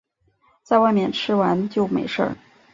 在外面吃完就没事